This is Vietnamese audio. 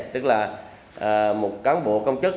tức là một cán bộ công chức